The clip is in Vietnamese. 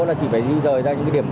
là chỉ phải di rời ra những điểm